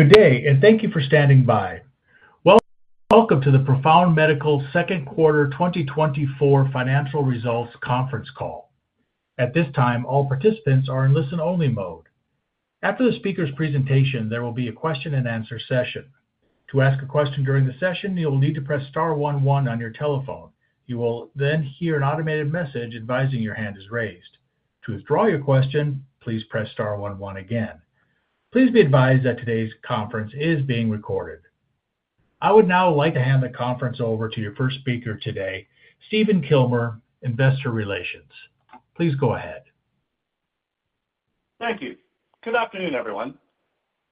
Good day, and thank you for standing by. Welcome to the Profound Medical Second Quarter 2024 Financial Results Conference Call. At this time, all participants are in listen-only mode. After the speaker's presentation, there will be a question-and-answer session. To ask a question during the session, you'll need to press star one one on your telephone. You will then hear an automated message advising your hand is raised. To withdraw your question, please press star one one again. Please be advised that today's conference is being recorded. I would now like to hand the conference over to your first speaker today, Stephen Kilmer, Investor Relations. Please go ahead. Thank you. Good afternoon, everyone.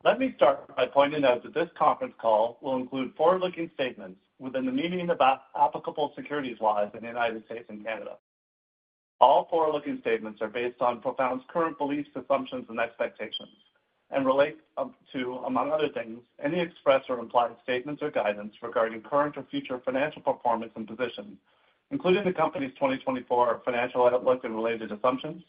Let me start by pointing out that this conference call will include forward-looking statements within the meaning of applicable securities laws in the United States and Canada. All forward-looking statements are based on Profound's current beliefs, assumptions, and expectations, and relate up to, among other things, any expressed or implied statements or guidance regarding current or future financial performance and position, including the company's 2024 financial outlook and related assumptions,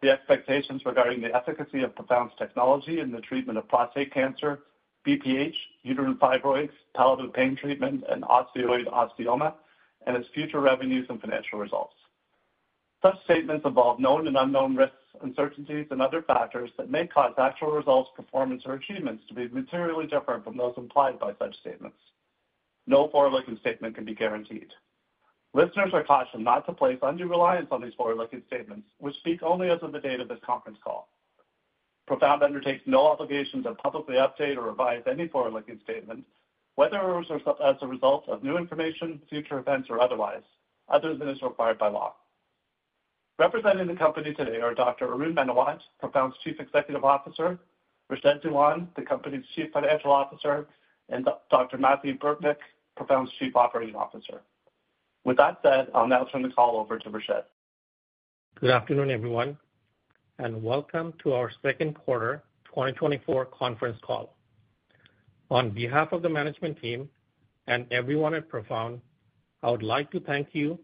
the expectations regarding the efficacy of Profound's technology in the treatment of prostate cancer, BPH, uterine fibroids, pelvic pain treatment, and osteoid osteoma, and its future revenues and financial results. Such statements involve known and unknown risks, uncertainties, and other factors that may cause actual results, performance, or achievements to be materially different from those implied by such statements. No forward-looking statement can be guaranteed. Listeners are cautioned not to place undue reliance on these forward-looking statements, which speak only as of the date of this conference call. Profound undertakes no obligation to publicly update or revise any forward-looking statements, whether as a result of new information, future events, or otherwise, other than is required by law. Representing the company today are Dr. Arun Menawat, Profound's Chief Executive Officer, Rashed Dewan, the company's Chief Financial Officer, and Dr. Mathieu Burtnyk, Profound's Chief Operating Officer. With that said, I'll now turn the call over to Rashed. Good afternoon, everyone, and welcome to our second quarter 2024 conference call. On behalf of the management team and everyone at Profound, I would like to thank you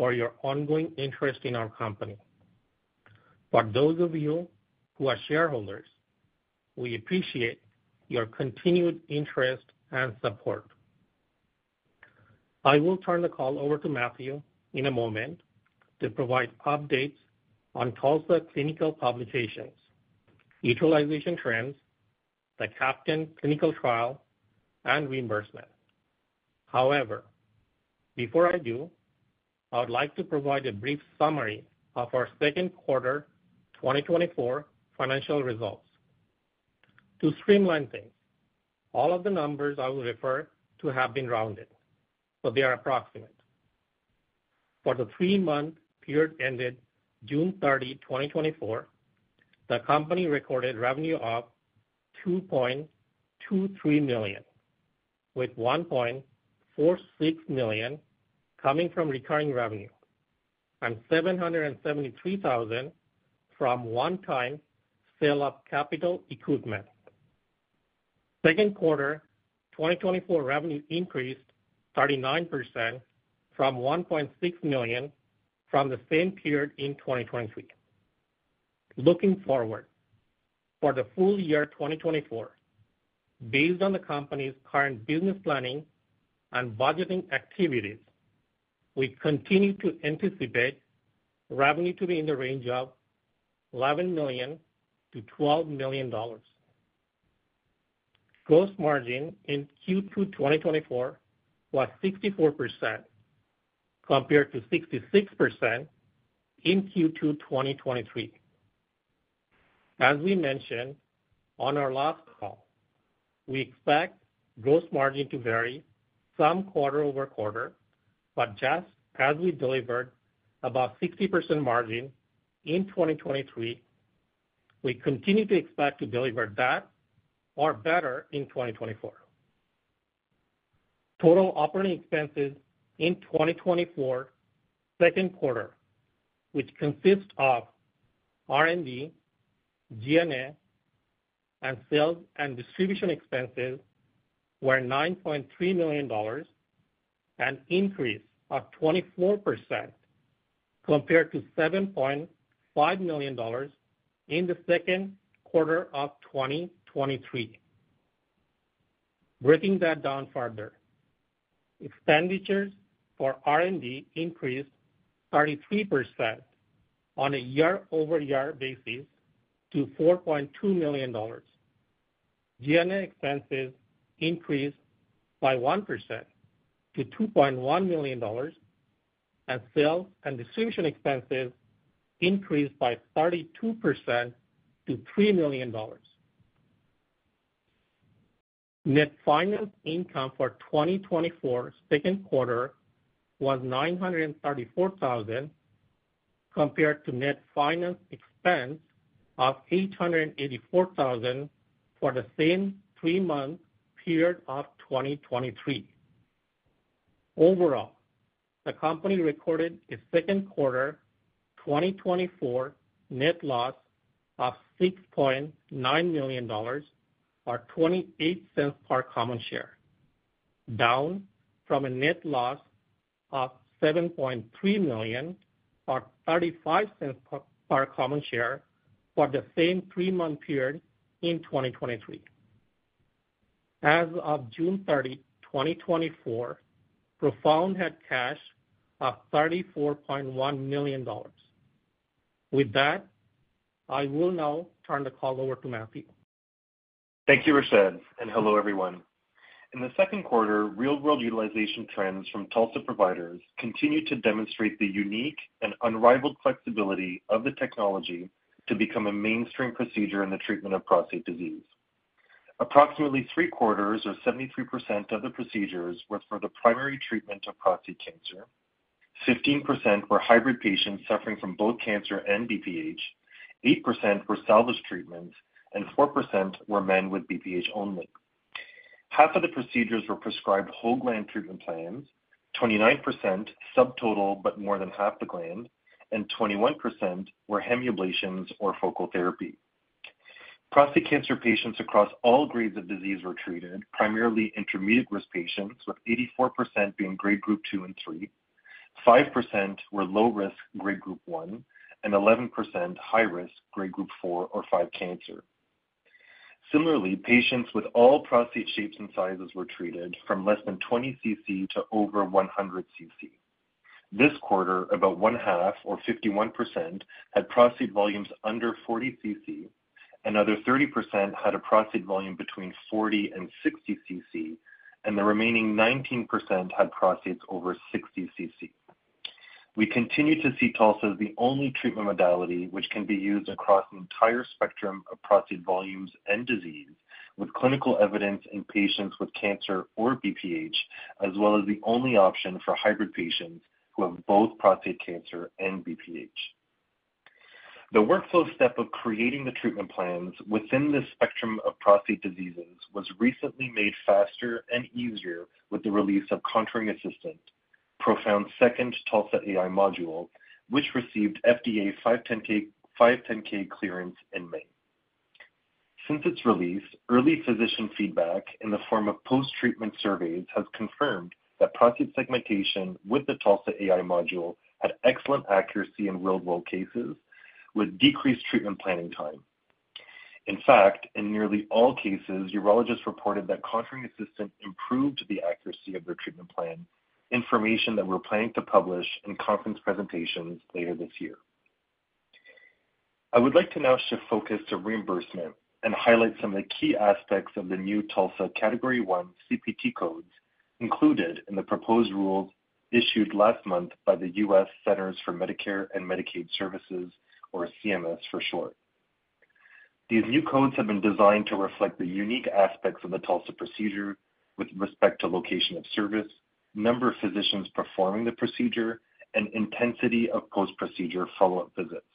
for your ongoing interest in our company. For those of you who are shareholders, we appreciate your continued interest and support. I will turn the call over to Mathieu in a moment to provide updates on TULSA clinical publications, utilization trends, the CAPTAIN clinical trial, and reimbursement. However, before I do, I would like to provide a brief summary of our second quarter 2024 financial results. To streamline things, all of the numbers I will refer to have been rounded, so they are approximate. For the three-month period ended June 30, 2024, the company recorded revenue of $2.23 million, with $1.46 million coming from recurring revenue and $773,000 from one-time sale of capital equipment. Second quarter 2024 revenue increased 39% from $1.6 million from the same period in 2023. Looking forward, for the full year 2024, based on the company's current business planning and budgeting activities, we continue to anticipate revenue to be in the range of $11 million-$12 million. Gross margin in Q2 2024 was 64%, compared to 66% in Q2 2023. As we mentioned on our last call, we expect gross margin to vary some quarter-over-quarter, but just as we delivered about 60% margin in 2023, we continue to expect to deliver that or better in 2024. Total operating expenses in 2024 second quarter, which consists of R&D, G&A, and sales and distribution expenses, were $9.3 million, an increase of 24% compared to $7.5 million in the second quarter of 2023. Breaking that down further, expenditures for R&D increased 33% on a year-over-year basis to $4.2 million. G&A expenses increased by 1% to $2.1 million, and sales and distribution expenses increased by 32% to $3 million. Net finance income for 2024's second quarter was $934,000, compared to net finance expense of $884,000 for the same three-month period of 2023. Overall, the company recorded its second quarter 2024 net loss of $6.9 million or $0.28 per common share. Down from a net loss of $7.3 million, or $0.35 per common share, for the same three-month period in 2023. As of June 30, 2024, Profound had cash of $34.1 million. With that, I will now turn the call over to Mathieu. Thank you, Rashed, and hello, everyone. In the second quarter, real-world utilization trends from TULSA providers continued to demonstrate the unique and unrivaled flexibility of the technology to become a mainstream procedure in the treatment of prostate disease. Approximately three-quarters, or 73% of the procedures, were for the primary treatment of prostate cancer. 15% were hybrid patients suffering from both cancer and BPH, 8% were salvage treatments, and 4% were men with BPH only. Half of the procedures were prescribed whole gland treatment plans, 29% subtotal, but more than half the gland, and 21% were hemiablation or focal therapy. Prostate cancer patients across all grades of disease were treated, primarily intermediate-risk patients, with 84% being grade group two and three, 5% were low risk grade group one, and 11% high risk grade group four or five cancer. Similarly, patients with all prostate shapes and sizes were treated, from less than 20 CC to over 100 CC. This quarter, about 1/2, or 51%, had prostate volumes under 40 CC, another 30% had a prostate volume between 40 and 60 CC, and the remaining 19% had prostates over 60 CC. We continue to see TULSA as the only treatment modality which can be used across an entire spectrum of prostate volumes and disease, with clinical evidence in patients with cancer or BPH, as well as the only option for hybrid patients who have both prostate cancer and BPH. The workflow step of creating the treatment plans within this spectrum of prostate diseases was recently made faster and easier with the release of Contouring Assistant, Profound's second TULSA AI module, which received FDA 510(k) clearance in May. Since its release, early physician feedback in the form of post-treatment surveys has confirmed that prostate segmentation with the TULSA AI module had excellent accuracy in real-world cases, with decreased treatment planning time. In fact, in nearly all cases, urologists reported that Contouring Assistant improved the accuracy of their treatment plan, information that we're planning to publish in conference presentations later this year. I would like to now shift focus to reimbursement and highlight some of the key aspects of the new TULSA Category 1 CPT codes included in the proposed rules issued last month by the U.S. Centers for Medicare and Medicaid Services, or CMS for short. These new codes have been designed to reflect the unique aspects of the TULSA procedure with respect to location of service, number of physicians performing the procedure, and intensity of post-procedure follow-up visits.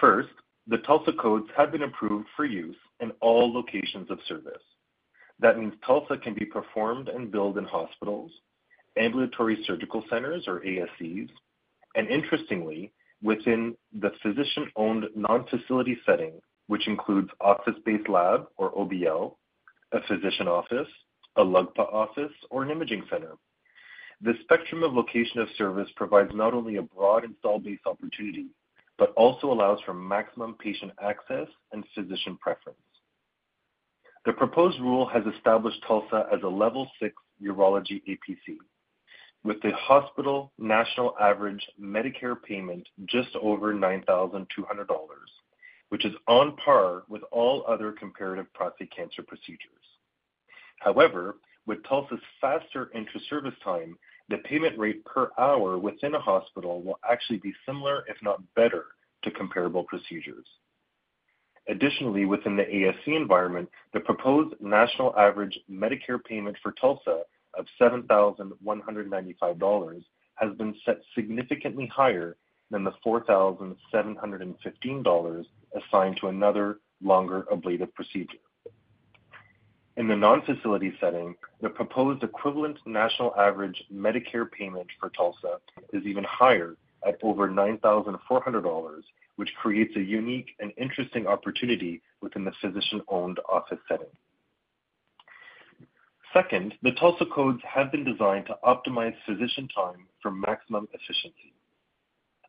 First, the TULSA codes have been approved for use in all locations of service. That means TULSA can be performed and billed in hospitals, ambulatory surgical centers or ASCs, and interestingly, within the physician-owned non-facility setting, which includes office-based lab, or OBL, a physician office, a LUGPA office, or an imaging center. This spectrum of location of service provides not only a broad installed base opportunity, but also allows for maximum patient access and physician preference. The proposed rule has established TULSA as a level six urology APC, with the hospital national average Medicare payment just over $9,200, which is on par with all other comparative prostate cancer procedures. However, with TULSA's faster intra-service time, the payment rate per hour within a hospital will actually be similar, if not better, to comparable procedures. Additionally, within the ASC environment, the proposed national average Medicare payment for TULSA of $7,195 has been set significantly higher than the $4,715 assigned to another longer ablative procedure. In the non-facility setting, the proposed equivalent national average Medicare payment for TULSA is even higher, at over $9,400, which creates a unique and interesting opportunity within the physician-owned office setting. Second, the TULSA codes have been designed to optimize physician time for maximum efficiency.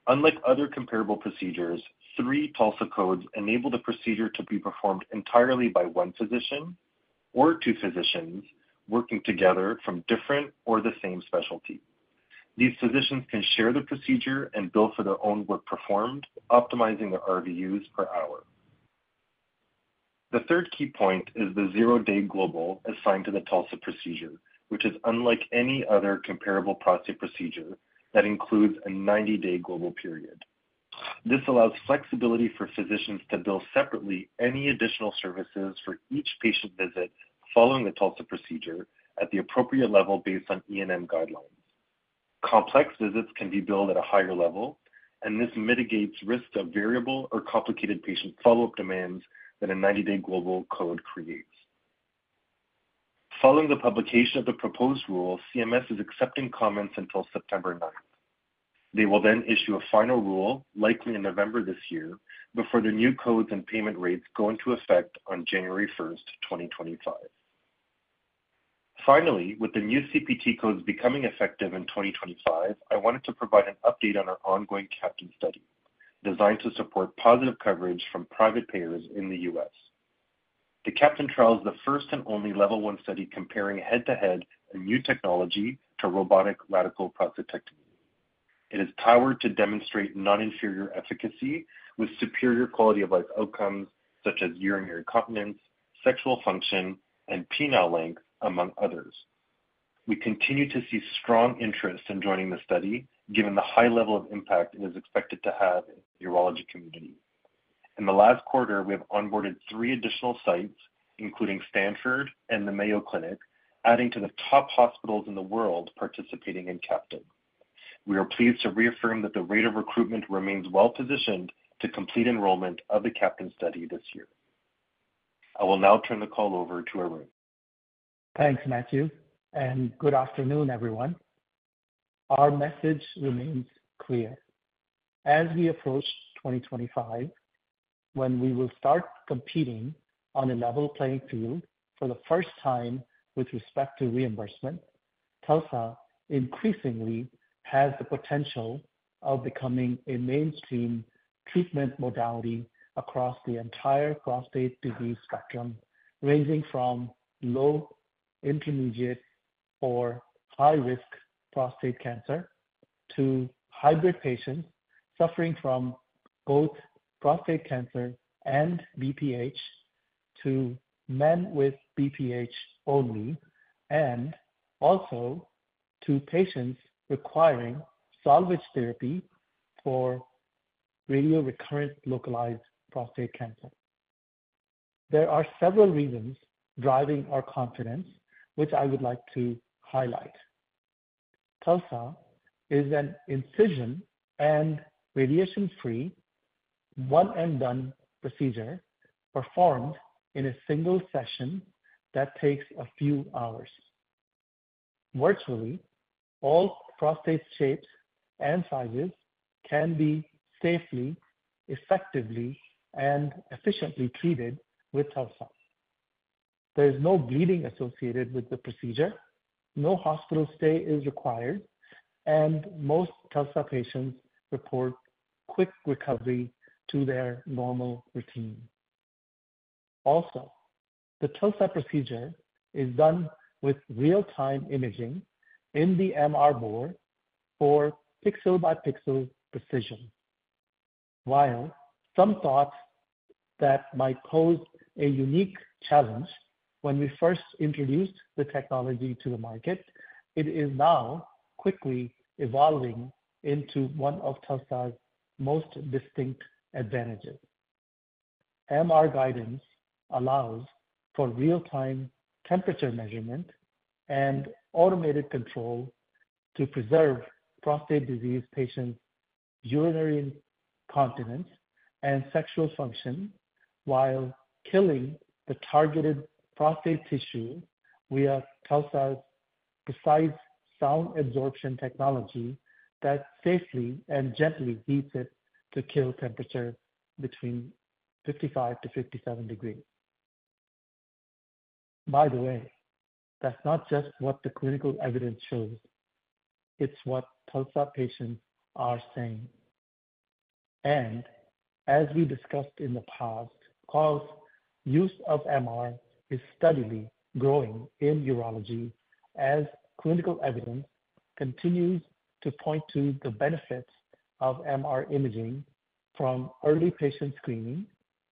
Unlike other comparable procedures, three TULSA codes enable the procedure to be performed entirely by one physician or two physicians working together from different or the same specialty. These physicians can share the procedure and bill for their own work performed, optimizing their RVUs per hour. The third key point is the zero-day global assigned to the TULSA procedure, which is unlike any other comparable prostate procedure that includes a 90-day global period. This allows flexibility for physicians to bill separately any additional services for each patient visit following the TULSA procedure at the appropriate level based on E&M guidelines. Complex visits can be billed at a higher level, and this mitigates risks of variable or complicated patient follow-up demands that a 90-day global code creates. Following the publication of the proposed rule, CMS is accepting comments until September 9. They will then issue a final rule, likely in November this year, before the new codes and payment rates go into effect on January 1, 2025. Finally, with the new CPT codes becoming effective in 2025, I wanted to provide an update on our ongoing CAPTAIN study, designed to support positive coverage from private payers in the U.S. The CAPTAIN trial is the first and only level one study comparing head-to-head a new technology to robotic radical prostatectomy. It is powered to demonstrate non-inferior efficacy with superior quality of life outcomes such as urinary incontinence, sexual function, and penile length, among others. We continue to see strong interest in joining the study, given the high level of impact it is expected to have in the urology community. In the last quarter, we have onboarded three additional sites, including Stanford and the Mayo Clinic, adding to the top hospitals in the world participating in CAPTAIN. We are pleased to reaffirm that the rate of recruitment remains well positioned to complete enrollment of the CAPTAIN study this year. I will now turn the call over to Arun. Thanks, Mathieu, and good afternoon, everyone. Our message remains clear. As we approach 2025, when we will start competing on a level playing field for the first time with respect to reimbursement, TULSA increasingly has the potential of becoming a mainstream treatment modality across the entire prostate disease spectrum, ranging from low, intermediate, or high risk prostate cancer, to hybrid patients suffering from both prostate cancer and BPH, to men with BPH only, and also to patients requiring salvage therapy for radiorecurrent localized prostate cancer. There are several reasons driving our confidence, which I would like to highlight. TULSA is an incision and radiation-free, one-and-done procedure performed in a single session that takes a few hours. Virtually, all prostate shapes and sizes can be safely, effectively, and efficiently treated with TULSA. There is no bleeding associated with the procedure. No hospital stay is required, and most TULSA patients report quick recovery to their normal routine. Also, the TULSA procedure is done with real-time imaging in the MR bore for pixel-by-pixel precision. While some thought that might pose a unique challenge when we first introduced the technology to the market, it is now quickly evolving into one of TULSA's most distinct advantages. MR guidance allows for real-time temperature measurement and automated control to preserve prostate disease patients' urinary continence and sexual function, while killing the targeted prostate tissue via TULSA's precise sound absorption technology that safely and gently heats it to kill temperature between 55-57 degrees. By the way, that's not just what the clinical evidence shows, it's what TULSA patients are saying. As we discussed in the past, as use of MR is steadily growing in urology as clinical evidence continues to point to the benefits of MR imaging, from early patient screening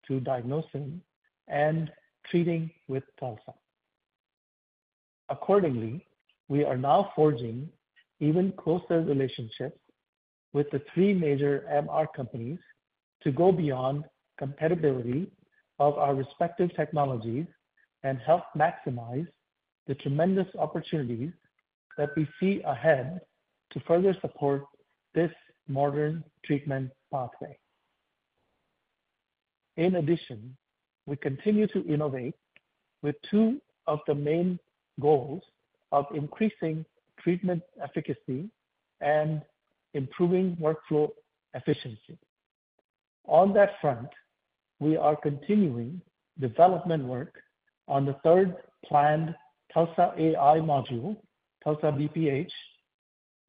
to diagnosing and treating with TULSA. Accordingly, we are now forging even closer relationships with the three major MR companies to go beyond compatibility of our respective technologies and help maximize the tremendous opportunities that we see ahead to further support this modern treatment pathway. In addition, we continue to innovate with two of the main goals of increasing treatment efficacy and improving workflow efficiency. On that front, we are continuing development work on the third planned TULSA AI module, TULSA BPH.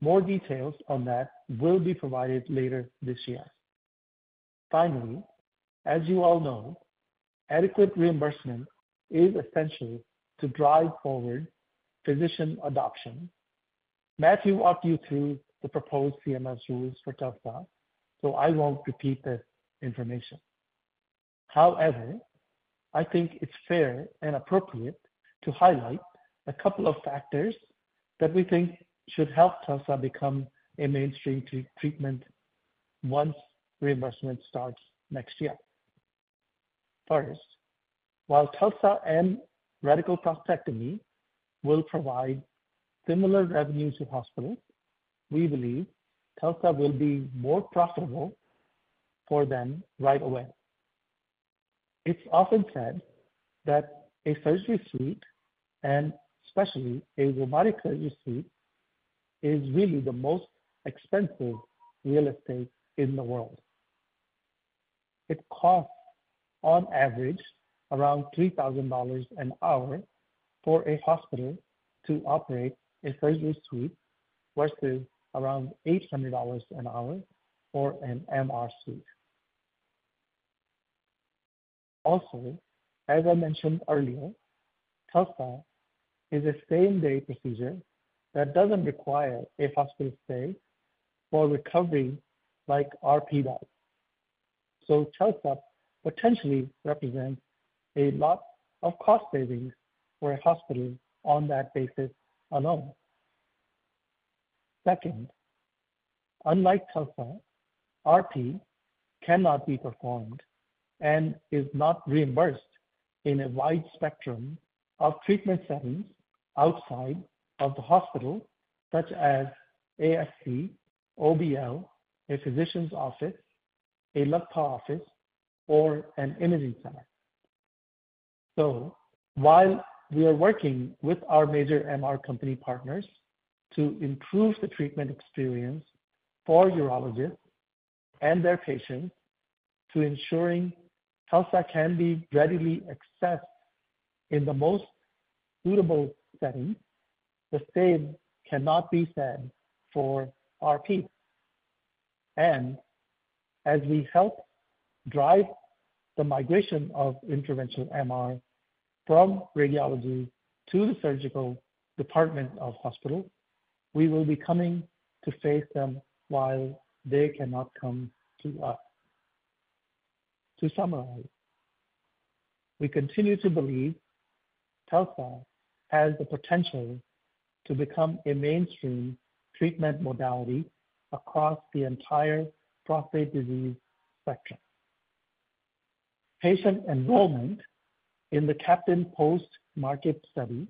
More details on that will be provided later this year. Finally, as you all know, adequate reimbursement is essential to drive forward physician adoption. Mathieu walked you through the proposed CMS rules for TULSA, so I won't repeat this information. However, I think it's fair and appropriate to highlight a couple of factors that we think should help TULSA become a mainstream treatment once reimbursement starts next year. First, while TULSA and radical prostatectomy will provide similar revenues to hospitals, we believe TULSA will be more profitable for them right away... It's often said that a surgery suite, and especially a robotic surgery suite, is really the most expensive real estate in the world. It costs, on average, around $3,000 an hour for a hospital to operate a surgery suite, versus around $800 an hour for an MR suite. Also, as I mentioned earlier, TULSA is a same-day procedure that doesn't require a hospital stay for recovery like RP does. So TULSA potentially represents a lot of cost savings for a hospital on that basis alone. Second, unlike TULSA, RP cannot be performed and is not reimbursed in a wide spectrum of treatment settings outside of the hospital, such as ASC, OBL, a physician's office, a LUGPA office, or an imaging center. So while we are working with our major MR company partners to improve the treatment experience for urologists and their patients to ensuring TULSA can be readily accessed in the most suitable setting, the same cannot be said for RP. And as we help drive the migration of interventional MR from radiology to the surgical department of hospital, we will be coming to face them while they cannot come to us. To summarize, we continue to believe TULSA has the potential to become a mainstream treatment modality across the entire prostate disease spectrum. Patient enrollment in the CAPTAIN post-market study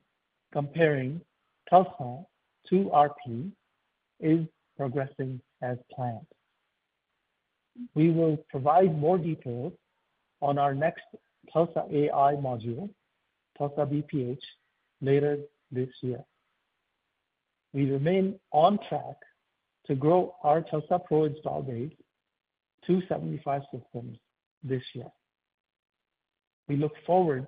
comparing TULSA to RP is progressing as planned. We will provide more details on our next TULSA AI module, TULSA BPH, later this year. We remain on track to grow our TULSA-PRO install base to 75 systems this year. We look forward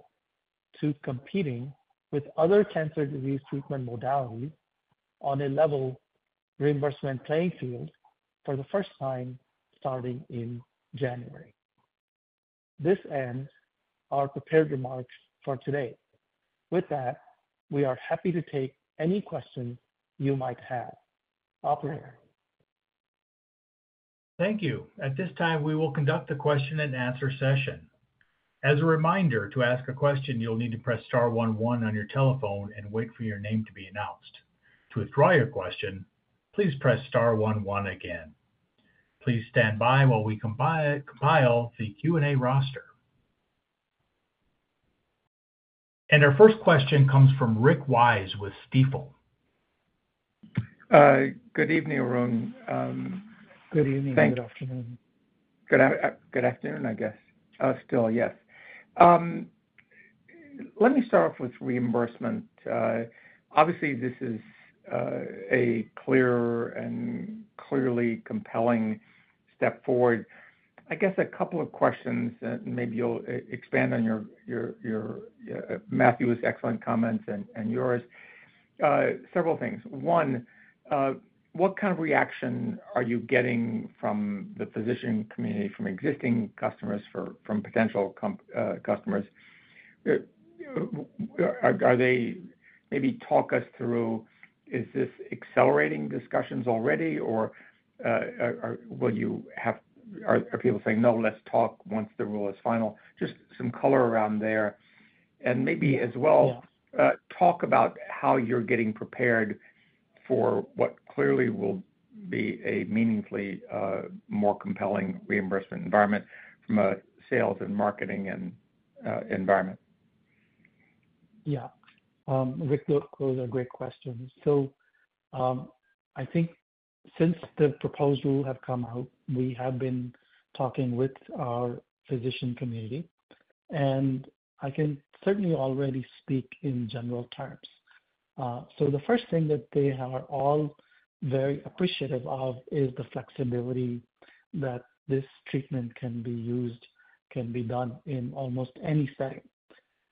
to competing with other cancer disease treatment modalities on a level reimbursement playing field for the first time starting in January. This ends our prepared remarks for today. With that, we are happy to take any questions you might have. Operator? Thank you. At this time, we will conduct a question-and-answer session. As a reminder, to ask a question, you'll need to press star one one on your telephone and wait for your name to be announced. To withdraw your question, please press star one one again. Please stand by while we compile the Q&A roster. Our first question comes from Rick Wise with Stifel. Good evening, Arun. Good evening. Good afternoon. Good afternoon, I guess. Still, yes. Let me start off with reimbursement. Obviously, this is a clear and clearly compelling step forward. I guess a couple of questions, and maybe you'll expand on your Mathieu's excellent comments and yours. Several things. One, what kind of reaction are you getting from the physician community, from existing customers, from potential customers? Are they... Maybe talk us through, is this accelerating discussions already or are people saying, "No, let's talk once the rule is final?" Just some color around there. And maybe as well- Yeah. talk about how you're getting prepared for what clearly will be a meaningfully, more compelling reimbursement environment from a sales and marketing and, environment. Yeah. Rick, those are great questions. So, I think since the proposal have come out, we have been talking with our physician community, and I can certainly already speak in general terms. So the first thing that they are all very appreciative of is the flexibility that this treatment can be used, can be done in almost any setting.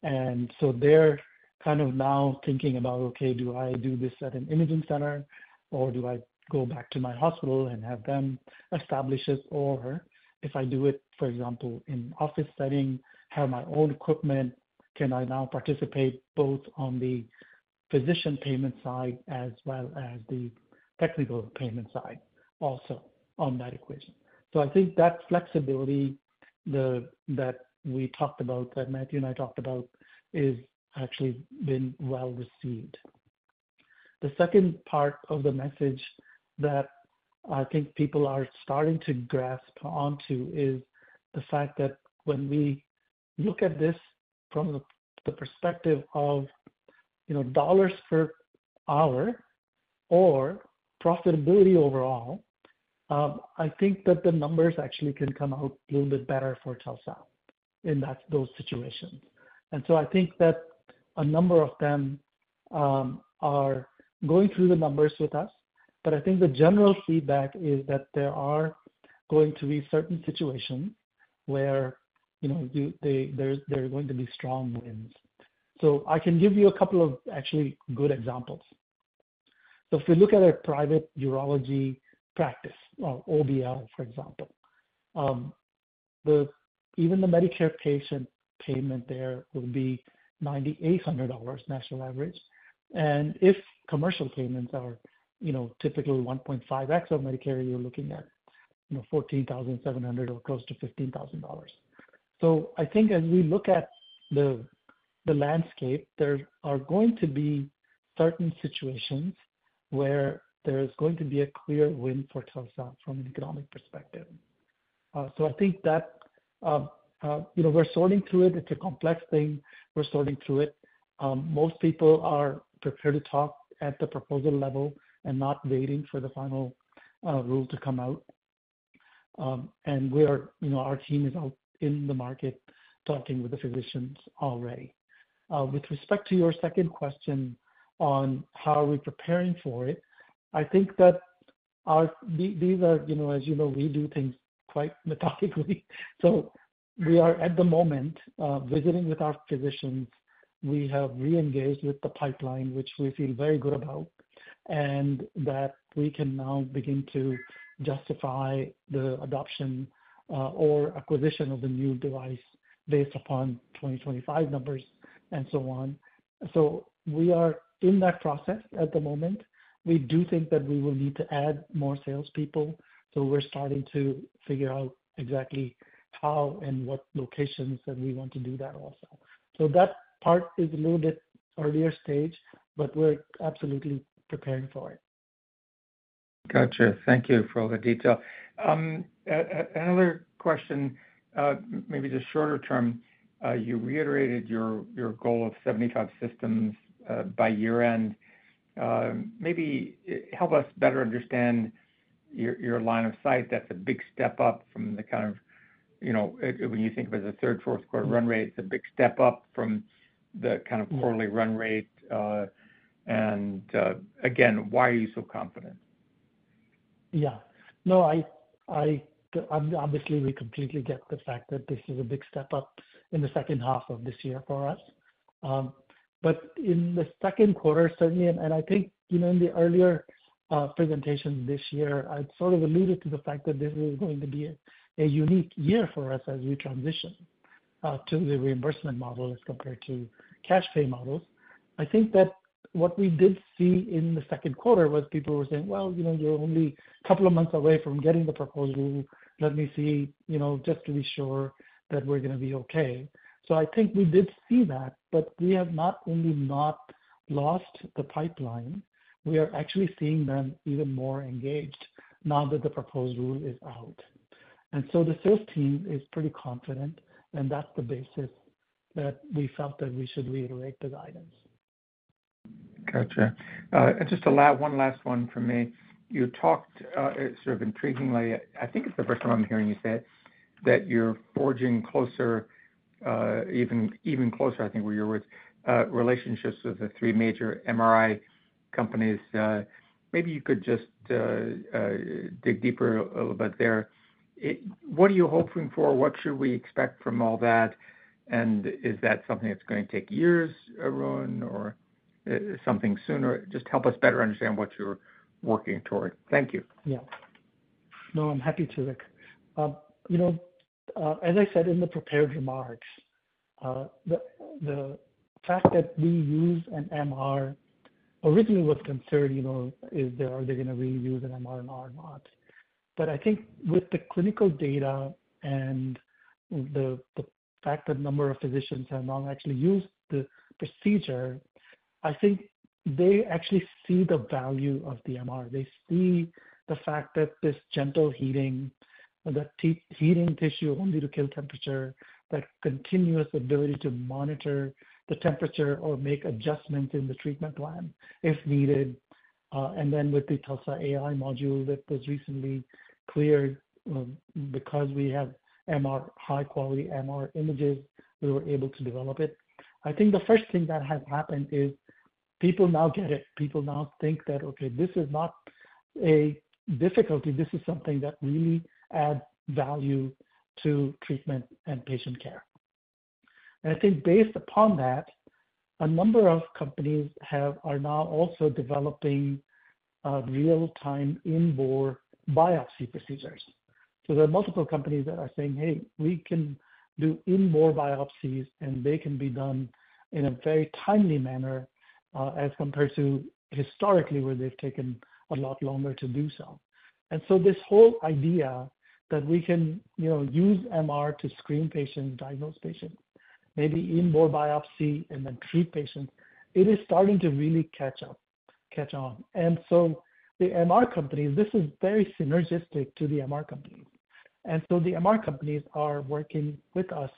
And so they're kind of now thinking about, okay, do I do this at an imaging center, or do I go back to my hospital and have them establish it? Or if I do it, for example, in office setting, have my own equipment, can I now participate both on the physician payment side as well as the technical payment side also on that equation? So I think that flexibility, the, that we talked about, that Mathieu and I talked about, is actually been well received. The second part of the message that I think people are starting to grasp onto is the fact that when we look at this from the perspective of, you know, dollars per hour or profitability overall. I think that the numbers actually can come out a little bit better for Tulsa in that, those situations. So I think that a number of them are going through the numbers with us, but I think the general feedback is that there are going to be certain situations where, you know, there are going to be strong winds. So I can give you a couple of actually good examples. So if we look at a private urology practice, or OBL, for example, even the Medicare patient payment there will be $9,800 national average. And if commercial payments are, you know, typically 1.5x of Medicare, you're looking at, you know, $14,700 or close to $15,000. So I think as we look at the, the landscape, there are going to be certain situations where there is going to be a clear win for Tulsa from an economic perspective. So I think that, you know, we're sorting through it. It's a complex thing. We're sorting through it. Most people are prepared to talk at the proposal level and not waiting for the final, rule to come out. And we are, you know, our team is out in the market talking with the physicians already. With respect to your second question on how we are preparing for it, I think that these are, you know, as you know, we do things quite methodically. So we are, at the moment, visiting with our physicians. We have reengaged with the pipeline, which we feel very good about, and that we can now begin to justify the adoption or acquisition of the new device based upon 2025 numbers and so on. So we are in that process at the moment. We do think that we will need to add more salespeople, so we're starting to figure out exactly how and what locations, and we want to do that also. So that part is a little bit earlier stage, but we're absolutely preparing for it. Gotcha. Thank you for all the detail. Another question, maybe just shorter term. You reiterated your goal of 75 systems by year-end. Maybe help us better understand your line of sight. That's a big step up from the kind of, you know, when you think of it as a third, fourth quarter run rate, it's a big step up from the kind of- Mm. - quarterly run rate. Again, why are you so confident? Yeah. No, I obviously, we completely get the fact that this is a big step up in the second half of this year for us. But in the second quarter, certainly, and I think, you know, in the earlier presentation this year, I sort of alluded to the fact that this is going to be a unique year for us as we transition to the reimbursement model as compared to cash pay models. I think that what we did see in the second quarter was people were saying, "Well, you know, you're only a couple of months away from getting the proposed rule. Let me see, you know, just to be sure that we're gonna be okay." So I think we did see that, but we have not only not lost the pipeline, we are actually seeing them even more engaged now that the proposed rule is out. And so the sales team is pretty confident, and that's the basis that we felt that we should reiterate the guidance. Gotcha. And just one last one for me. You talked sort of intriguingly, I think it's the first time I'm hearing you say it, that you're forging closer even closer, I think were your words, relationships with the three major MRI companies. Maybe you could just dig deeper a little bit there. What are you hoping for? What should we expect from all that? And is that something that's going to take years, Arun, or something sooner? Just help us better understand what you're working toward. Thank you. Yeah. No, I'm happy to, Rick. You know, as I said in the prepared remarks, the fact that we use an MRI originally was concerned, you know, is, are they gonna really use an MRI or not? But I think with the clinical data and the fact that number of physicians have now actually used the procedure, I think they actually see the value of the MRI. They see the fact that this gentle heating, heating tissue only to killing temperature, that continuous ability to monitor the temperature or make adjustments in the treatment plan, if needed. And then with the TULSA AI module that was recently cleared, because we have MRI, high-quality MRI images, we were able to develop it. I think the first thing that has happened is people now get it. People now think that, okay, this is not a difficulty. This is something that really adds value to treatment and patient care. And I think based upon that, a number of companies are now also developing real-time, in-bore biopsy procedures. So there are multiple companies that are saying, "Hey, we can do in-bore biopsies," and they can be done in a very timely manner as compared to historically, where they've taken a lot longer to do so. And so this whole idea that we can, you know, use MR to screen patients, diagnose patients, maybe in-bore biopsy and then treat patients, it is starting to really catch up, catch on. And so the MR companies, this is very synergistic to the MR companies. And so the MR companies are working with us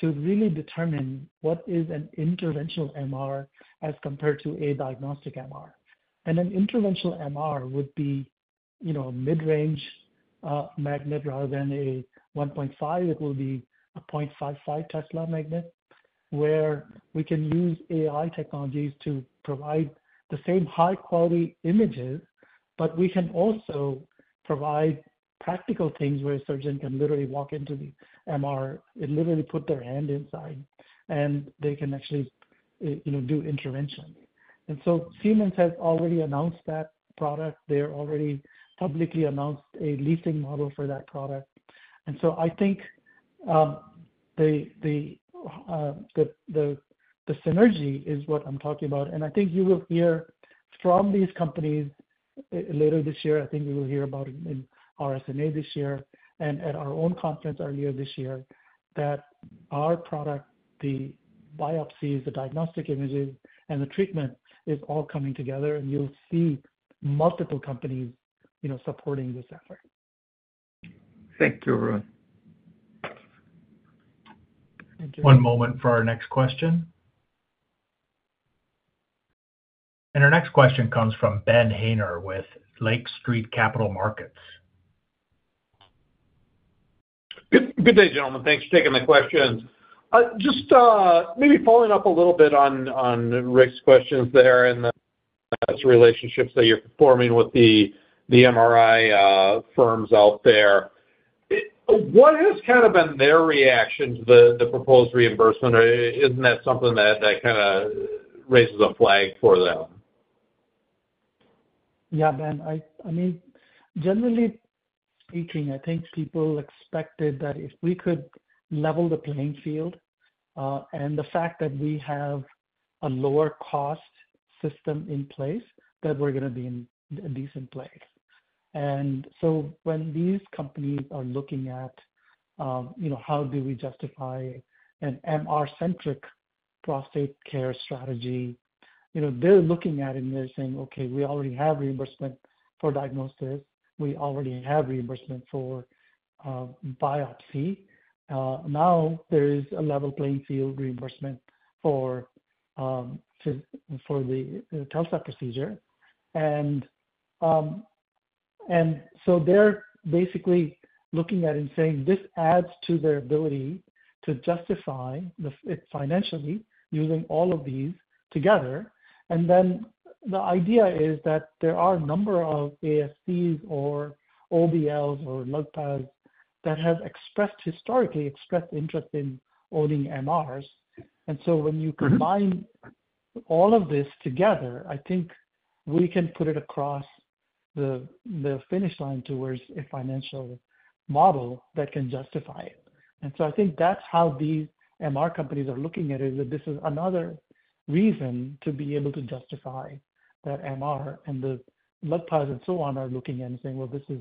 to really determine what is an interventional MR as compared to a diagnostic MR. And an interventional MR would be, you know, mid-range magnet rather than a 1.5, it will be a 0.55 Tesla magnet, where we can use AI technologies to provide the same high-quality images, but we can also provide practical things where a surgeon can literally walk into the MR and literally put their hand inside, and they can actually, you know, do intervention. And so Siemens has already announced that product. They're already publicly announced a leasing model for that product. And so I think, the synergy is what I'm talking about. I think you will hear from these companies either later this year. I think you will hear about it in RSNA this year and at our own conference earlier this year, that our product, the biopsies, the diagnostic images, and the treatment is all coming together, and you'll see multiple companies, you know, supporting this effort. Thank you, Arun. One moment for our next question. Our next question comes from Ben Haynor with Lake Street Capital Markets. Good, good day, gentlemen. Thanks for taking my questions. Just, maybe following up a little bit on, on Rick's questions there and the relationships that you're forming with the, the MRI, firms out there. What has kind of been their reaction to the, the proposed reimbursement, or isn't that something that, that kinda raises a flag for them? Yeah, Ben, I mean, generally speaking, I think people expected that if we could level the playing field, and the fact that we have a lower cost system in place, that we're gonna be in a decent place. And so when these companies are looking at, you know, how do we justify an MR-centric prostate care strategy, you know, they're looking at it, and they're saying: Okay, we already have reimbursement for diagnosis. We already have reimbursement for biopsy. Now there is a level playing field reimbursement for the TULSA procedure. And so they're basically looking at it and saying, this adds to their ability to justify it financially using all of these together. And then the idea is that there are a number of ASCs or OBLs or LUGPAs that have historically expressed interest in owning MRs. So when you combine all of this together, I think we can put it across the finish line towards a financial model that can justify it. So I think that's how these MRI companies are looking at it, is that this is another reason to be able to justify that MRI and the LUGPAs and so on are looking and saying: Well, this is,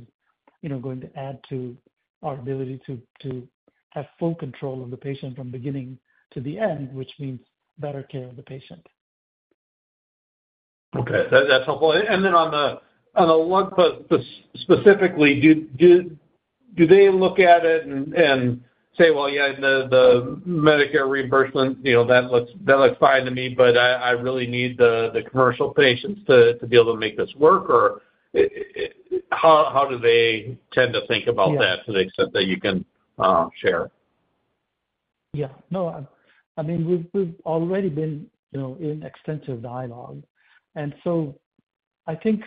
you know, going to add to our ability to have full control of the patient from beginning to the end, which means better care of the patient. Okay, that's helpful. And then on the LUGPA specifically, do they look at it and say: Well, yeah, the Medicare reimbursement, you know, that looks fine to me, but I really need the commercial patients to be able to make this work? Or how do they tend to think about that, to the extent that you can share? Yeah. No, I mean, we've already been, you know, in extensive dialogue. And so I think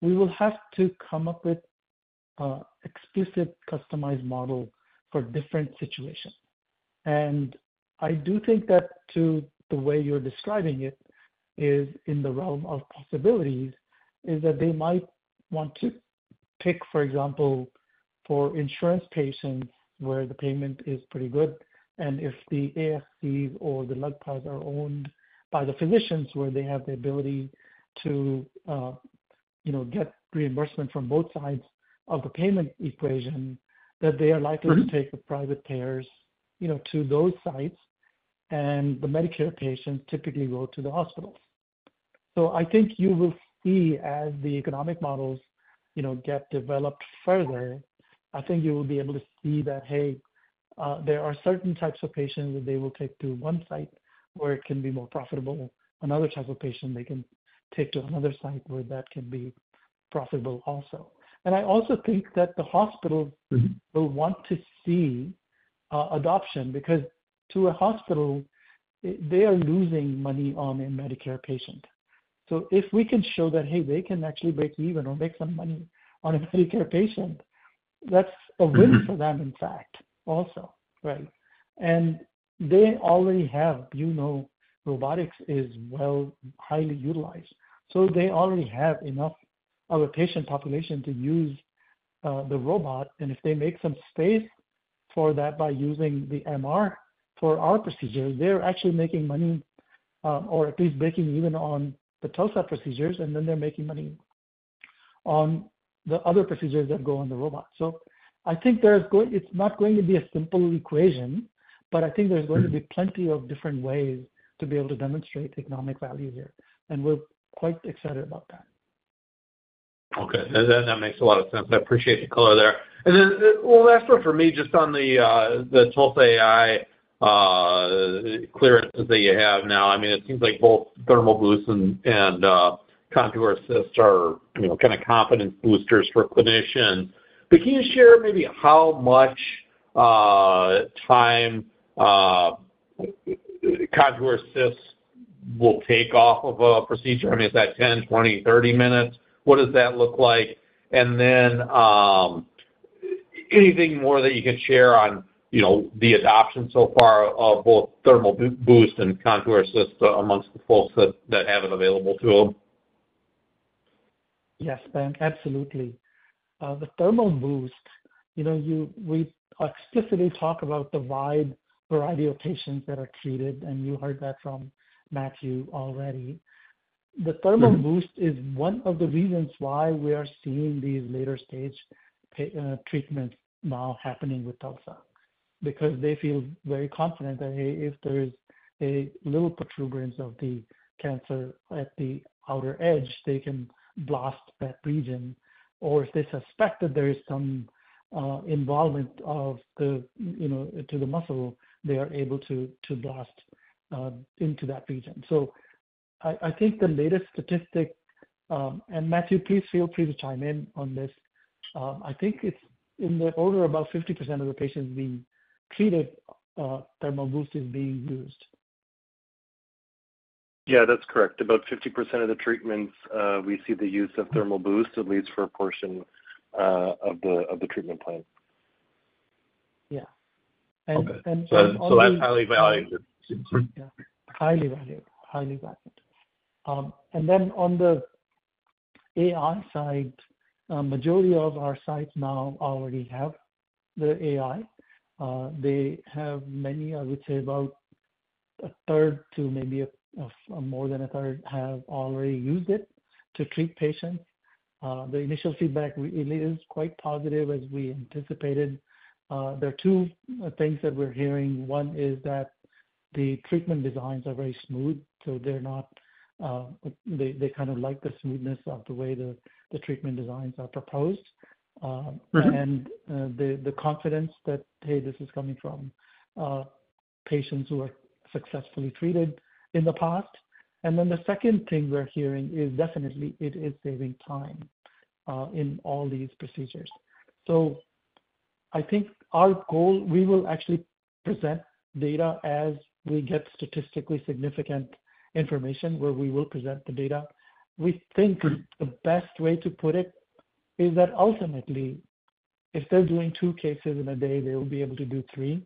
we will have to come up with an explicit, customized model for different situations. And I do think that the way you're describing it is in the realm of possibilities, that they might want to pick, for example, for insurance patients, where the payment is pretty good. And if the ASC or the LUGPAs are owned by the physicians, where they have the ability to, you know, get reimbursement from both sides of the payment equation, that they are likely to take the private payers, you know, to those sites, and the Medicare patients typically go to the hospitals. So I think you will see, as the economic models, you know, get developed further, I think you will be able to see that, hey, there are certain types of patients that they will take to one site where it can be more profitable, another type of patient they can take to another site where that can be profitable also. And I also think that the hospitals will want to see adoption, because to a hospital, they are losing money on a Medicare patient. So if we can show that, hey, they can actually break even or make some money on a Medicare patient, that's a win for them, in fact, also, right? And they already have, you know, robotics is well, highly utilized. So they already have enough of a patient population to use the robot, and if they make some space for that by using the MR for our procedure, they're actually making money, or at least breaking even on the TULSA procedures, and then they're making money on the other procedures that go on the robot. So I think it's not going to be a simple equation. But I think there's going to be plenty of different ways to be able to demonstrate economic value here, and we're quite excited about that. Okay. That makes a lot of sense. I appreciate the color there. And then, one last one for me, just on the TULSA AI clearances that you have now. I mean, it seems like both Thermal Boost and Contour Assist are, you know, kind of confidence boosters for a clinician. But can you share maybe how much time Contour Assist will take off of a procedure? I mean, is that 10, 20, 30 minutes? What does that look like? And then, anything more that you can share on, you know, the adoption so far of both Thermal Boost and Contour Assist amongst the folks that have it available to them? Yes, Ben, absolutely. The Thermal Boost, you know, we explicitly talk about the wide variety of patients that are treated, and you heard that from Mathieu already. The Thermal Boost is one of the reasons why we are seeing these later stage treatments now happening with TULSA, because they feel very confident that, hey, if there is a little protuberance of the cancer at the outer edge, they can blast that region. Or if they suspect that there is some involvement of the, you know, to the muscle, they are able to blast into that region. So I think the latest statistic, and Mathieu, please feel free to chime in on this. I think it's in the order of about 50% of the patients being treated, Thermal Boost is being used. Yeah, that's correct. About 50% of the treatments, we see the use of Thermal Boost, at least for a portion of the treatment plan. Yeah. And, That's highly valued. Yeah. Highly valued. Highly valued. And then on the AI side, majority of our sites now already have the AI. They have many, I would say about a third to maybe a more than a third, have already used it to treat patients. The initial feedback, it is quite positive, as we anticipated. There are two things that we're hearing. One is that the treatment designs are very smooth, so they're not, they kind of like the smoothness of the way the treatment designs are proposed. Mm-hmm. The confidence that, hey, this is coming from patients who are successfully treated in the past. And then the second thing we're hearing is definitely it is saving time in all these procedures. So I think our goal, we will actually present data as we get statistically significant information, where we will present the data. We think the best way to put it is that ultimately, if they're doing two cases in a day, they will be able to do three.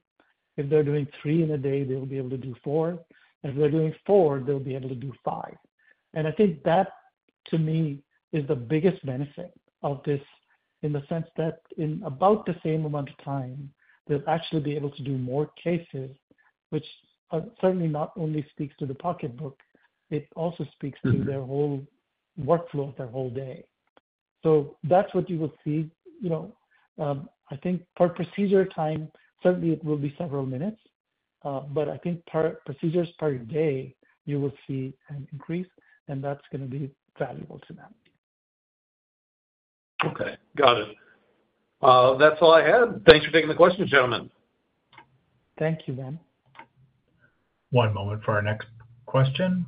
If they're doing three in a day, they will be able to do four. If they're doing four, they'll be able to do five. I think that, to me, is the biggest benefit of this, in the sense that in about the same amount of time, they'll actually be able to do more cases, which are certainly not only speaks to the pocketbook, it also speaks- Mm-hmm... to their whole workflow, their whole day. So that's what you will see. You know, I think per procedure time, certainly it will be several minutes, but I think per procedures per day, you will see an increase, and that's gonna be valuable to them. Okay, got it. That's all I had. Thanks for taking the questions, gentlemen. Thank you, Ben. One moment for our next question.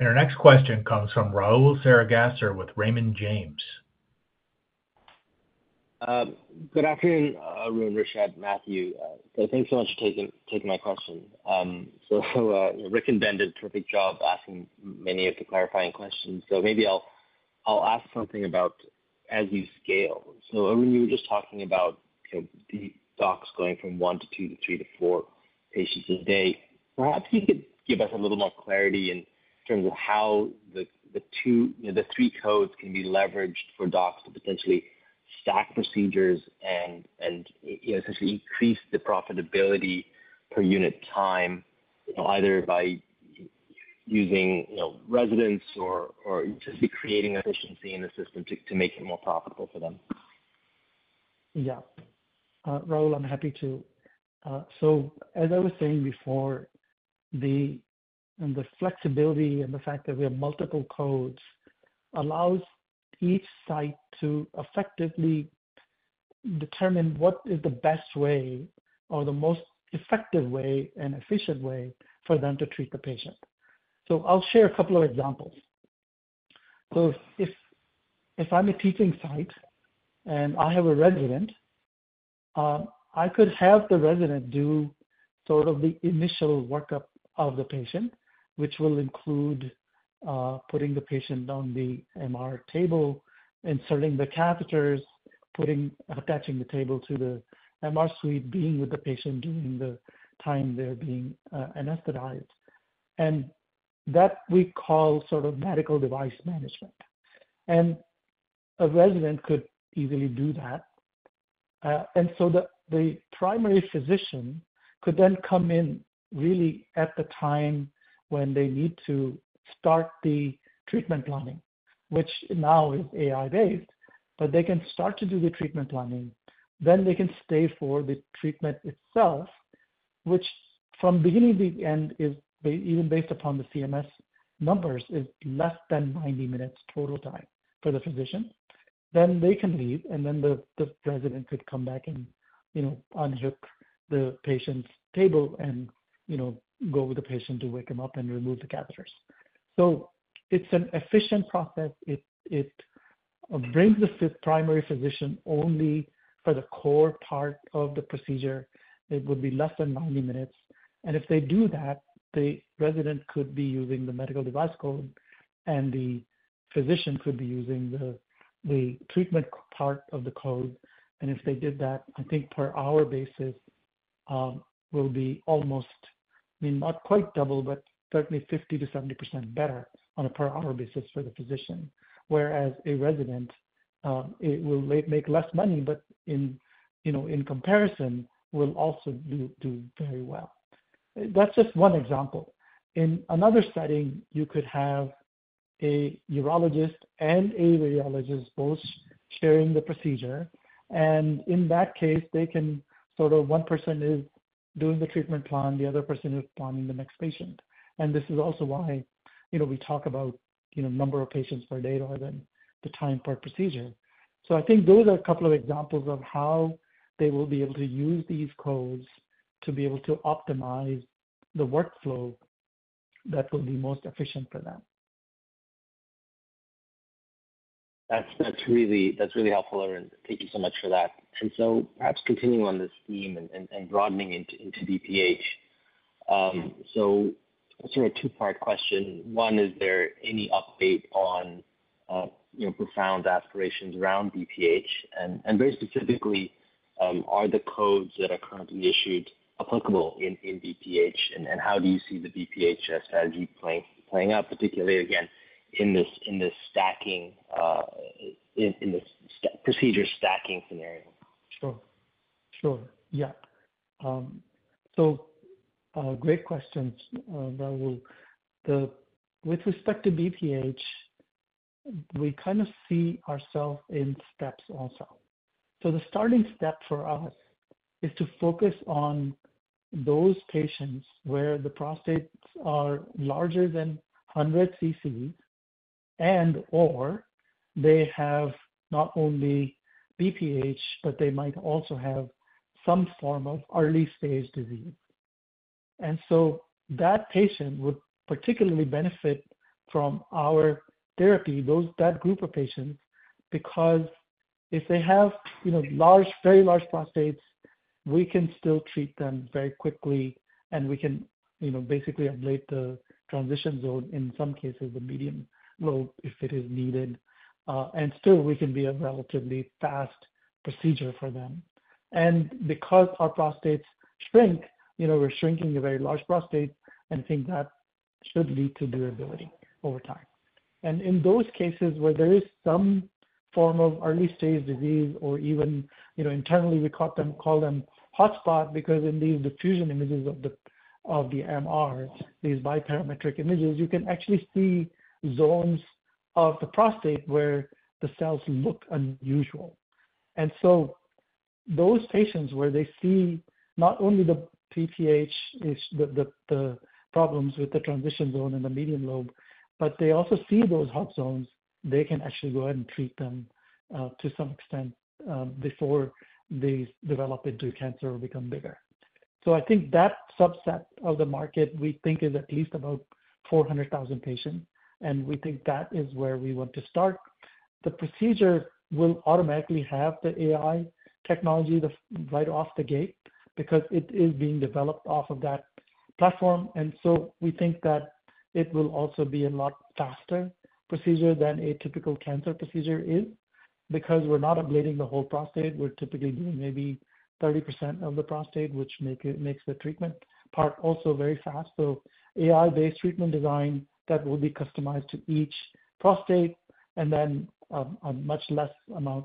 Our next question comes from Rahul Sarugaser with Raymond James. Good afternoon, Arun, Rashed, Mathieu. So thanks so much for taking my question. Rick and Ben did a terrific job asking many of the clarifying questions. So maybe I'll ask something about as you scale. So Arun, you were just talking about, you know, the docs going from one to two to three to four patients a day. Perhaps you could give us a little more clarity in terms of how the two, you know, the three codes can be leveraged for docs to potentially stack procedures and, you know, essentially increase the profitability per unit time, you know, either by using, you know, residents or just creating efficiency in the system to make it more profitable for them. Yeah. Rahul, I'm happy to. So as I was saying before, the flexibility and the fact that we have multiple codes allows each site to effectively determine what is the best way or the most effective way and efficient way for them to treat the patient. So I'll share a couple of examples. So if I'm a teaching site and I have a resident, I could have the resident do sort of the initial workup of the patient, which will include putting the patient on the MR table, inserting the catheters, putting, attaching the table to the MR suite, being with the patient during the time they're being anesthetized. And that we call sort of medical device management. And a resident could easily do that. And so the primary physician could then come in really at the time when they need to start the treatment planning, which now is AI based, but they can start to do the treatment planning. Then they can stay for the treatment itself, which from beginning to the end, is even based upon the CMS numbers, is less than 90 minutes total time for the physician. Then they can leave, and then the resident could come back and, you know, unhook the patient's table and, you know, go with the patient to wake him up and remove the catheters. So it's an efficient process. It brings the fifth primary physician only for the core part of the procedure. It would be less than 90 minutes. And if they do that, the resident could be using the medical device code, and the physician could be using the, the treatment part of the code. And if they did that, I think per hour basis, will be almost, I mean, not quite double, but certainly 50%-70% better on a per hour basis for the physician. Whereas a resident, it will make, make less money, but in, you know, in comparison, will also do, do very well. That's just one example. In another setting, you could have a urologist and a radiologist both sharing the procedure, and in that case, they can. So the one person is doing the treatment plan, the other person is planning the next patient. And this is also why, you know, we talk about, you know, number of patients per day and the time per procedure. I think those are a couple of examples of how they will be able to use these codes to be able to optimize the workflow that will be most efficient for them. That's really helpful, Arun. Thank you so much for that. And so perhaps continuing on this theme and broadening into BPH. So sort of a two-part question. One, is there any update on, you know, Profound aspirations around BPH? And very specifically, are the codes that are currently issued applicable in BPH? And how do you see the BPH strategy playing out, particularly, again, in this procedure stacking scenario? Sure. Sure, yeah. So, great questions, Rahul. With respect to BPH, we kinda see ourselves in steps also. So the starting step for us is to focus on those patients where the prostates are larger than 100 CC, and/or they have not only BPH, but they might also have some form of early stage disease. And so that patient would particularly benefit from our therapy, those, that group of patients, because if they have, you know, large, very large prostates, we can still treat them very quickly, and we can, you know, basically ablate the transition zone, in some cases, the median lobe, if it is needed, and still we can be a relatively fast procedure for them. And because our prostates shrink, you know, we're shrinking a very large prostate and think that should lead to durability over time. In those cases where there is some form of early stage disease or even, you know, internally, we call them hotspot, because in these diffusion images of the MR, these biparametric images, you can actually see zones of the prostate where the cells look unusual. And so those patients, where they see not only the BPH, the problems with the transition zone in the median lobe, but they also see those hot zones, they can actually go ahead and treat them to some extent before these develop into cancer or become bigger. So I think that subset of the market, we think, is at least about 400,000 patients, and we think that is where we want to start. The procedure will automatically have the AI technology, right off the gate, because it is being developed off of that platform. So we think that it will also be a lot faster procedure than a typical cancer procedure is. Because we're not ablating the whole prostate, we're typically doing maybe 30% of the prostate, which makes the treatment part also very fast. So AI-based treatment design that will be customized to each prostate, and then, a much less amount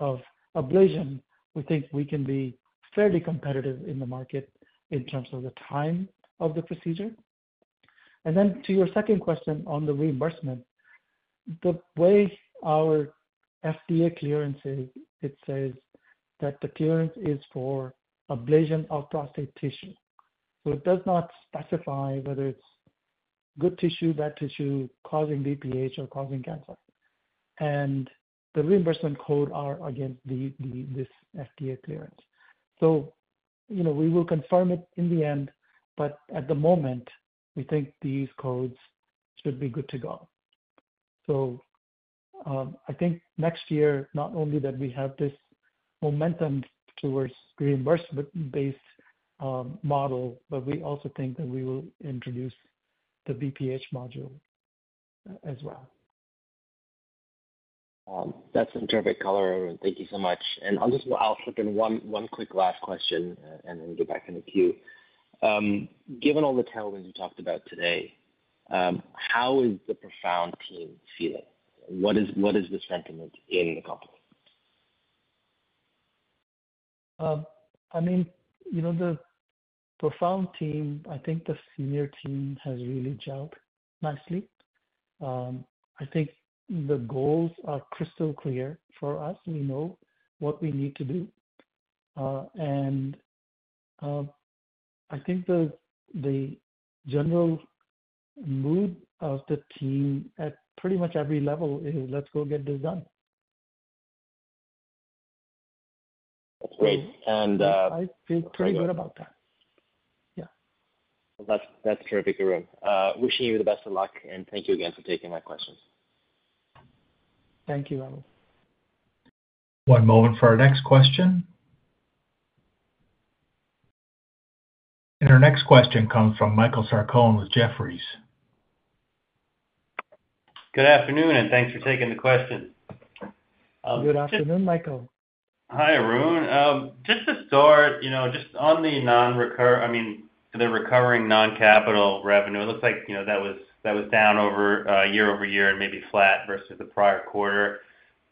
of ablation. We think we can be fairly competitive in the market in terms of the time of the procedure. Then to your second question on the reimbursement, the way our FDA clearance is, it says that the clearance is for ablation of prostate tissue. So it does not specify whether it's good tissue, bad tissue, causing BPH or causing cancer. The reimbursement code are against this FDA clearance. So, you know, we will confirm it in the end, but at the moment, we think these codes should be good to go. So, I think next year, not only that we have this momentum towards reimbursement-based model, but we also think that we will introduce the BPH module as well. That's terrific color, Arun. Thank you so much. And I'll just, I'll slip in one quick last question and then get back in the queue. Given all the tailwinds you talked about today, how is the Profound team feeling? What is the sentiment in the company?... I mean, you know, the Profound team, I think the senior team has really gelled nicely. I think the goals are crystal clear for us. We know what we need to do. I think the general mood of the team at pretty much every level is, "Let's go get this done. That's great. I feel pretty good about that. Yeah. Well, that's terrific, Arun. Wishing you the best of luck, and thank you again for taking my questions. Thank you, Rahul. One moment for our next question. Our next question comes from Michael Sarcone with Jefferies. Good afternoon, and thanks for taking the question. just- Good afternoon, Michael. Hi, Arun. Just to start, you know, just on the – I mean, the recurring non-capital revenue, it looks like, you know, that was, that was down over year-over-year and maybe flat versus the prior quarter.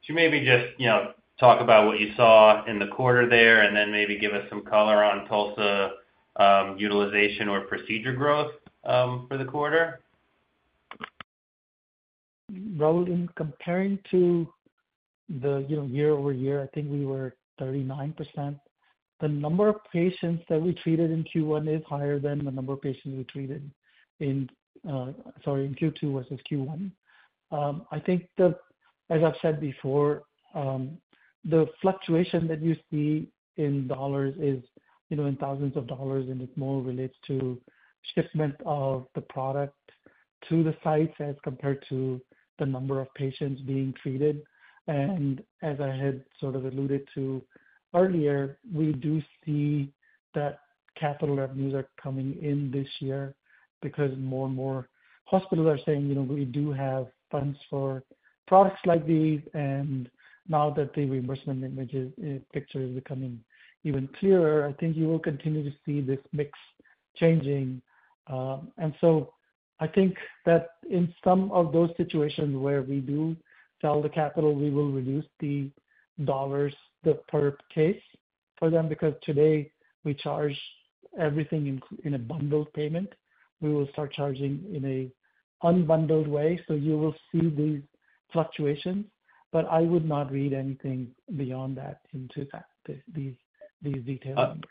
Could you maybe just, you know, talk about what you saw in the quarter there, and then maybe give us some color on TULSA utilization or procedure growth for the quarter? Rahul, in comparing to the, you know, year-over-year, I think we were 39%. The number of patients that we treated in Q1 is higher than the number of patients we treated in, sorry, in Q2 versus Q1. I think the— As I've said before, the fluctuation that you see in dollars is, you know, in thousands of dollars, and it more relates to shipment of the product to the sites as compared to the number of patients being treated. And as I had sort of alluded to earlier, we do see that capital revenues are coming in this year, because more and more hospitals are saying, "You know, we do have funds for products like these." And now that the reimbursement image is, picture is becoming even clearer, I think you will continue to see this mix changing. And so I think that in some of those situations where we do sell the capital, we will reduce the dollars, the per case for them, because today we charge everything in a bundled payment. We will start charging in a unbundled way, so you will see these fluctuations, but I would not read anything beyond that into that, these, these detailed numbers.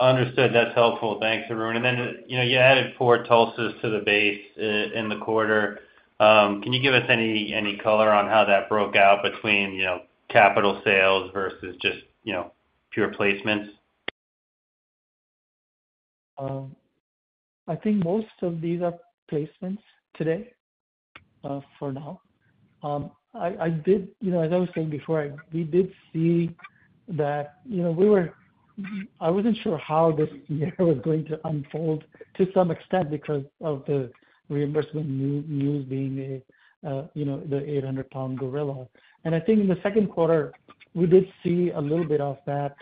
Understood. That's helpful. Thanks, Arun. And then, you know, you added 4 TULSA's to the base in the quarter. Can you give us any color on how that broke out between, you know, capital sales versus just, you know, pure placements? I think most of these are placements today, for now. You know, as I was saying before, we did see that, you know, we were—I wasn't sure how this year was going to unfold to some extent because of the reimbursement news being, you know, the 800-pound gorilla. I think in the second quarter, we did see a little bit of that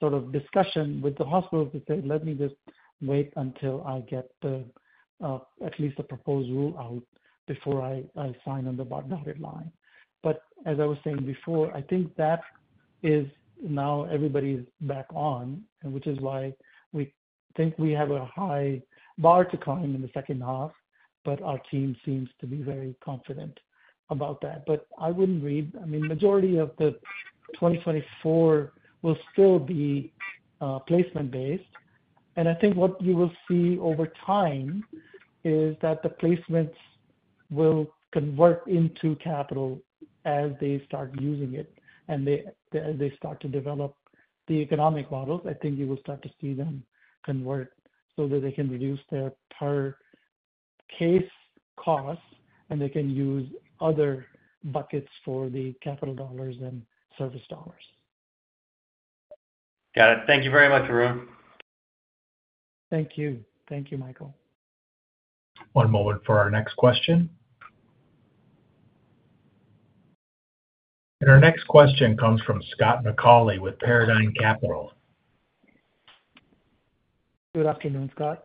sort of discussion with the hospitals to say, "Let me just wait until I get at least the proposed rule out before I sign on the bottom dotted line." But as I was saying before, I think that is now everybody's back on, and which is why we think we have a high bar to climb in the second half, but our team seems to be very confident about that. But I wouldn't read. I mean, majority of the 2024 will still be placement-based. And I think what you will see over time is that the placements will convert into capital as they start using it, and they start to develop the economic models. I think you will start to see them convert so that they can reduce their per case costs, and they can use other buckets for the capital dollars and service dollars. Got it. Thank you very much, Arun. Thank you. Thank you, Michael. One moment for our next question. Our next question comes from Scott McAuley with Paradigm Capital. Good afternoon, Scott.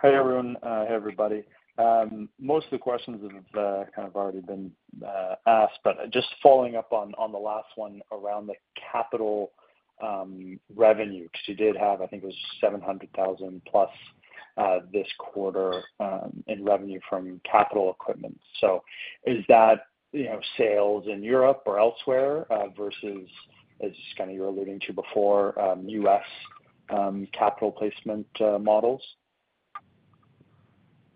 Hi, everyone. Hey, everybody. Most of the questions have kind of already been asked, but just following up on the last one around the capital revenue, because you did have, I think it was $700,000 plus this quarter in revenue from capital equipment. So is that, you know, sales in Europe or elsewhere versus, as kind of you were alluding to before, U.S. capital placement models?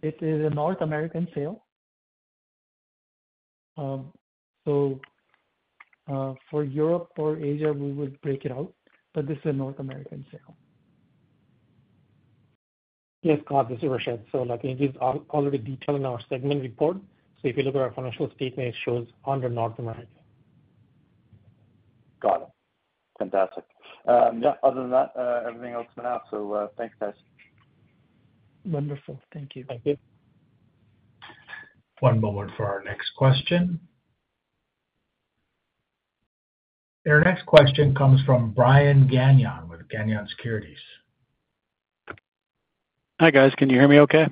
It is a North American sale. So, for Europe or Asia, we would break it out, but this is a North American sale. Yes, Scott, this is Rashed. So, like, it is already detailed in our segment report. So if you look at our financial statement, it shows under North America. Got it. Fantastic. Yeah, other than that, everything else has been out. So, thanks, guys. Wonderful. Thank you. Thank you. One moment for our next question. Our next question comes from Brian Gagnon with Gagnon Securities.... Hi, guys. Can you hear me okay?